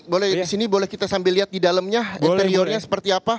boleh disini boleh kita sambil lihat di dalemnya interiornya seperti apa